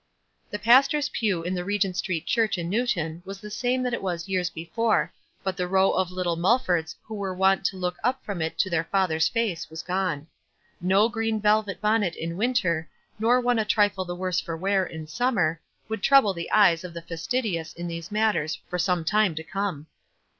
The pastor's pew in the Eegent Street Church in Newton was the same that it was years be fore, but the row of little Mulfords who were wont to look up from it to their father's face was gone. No green velvet bonnet in winter, nor one a trifle the worse for wear in summer, would trouble the eyes of the fastidious in those WISE A^D OTHERWISE. 17 matters for some time to come.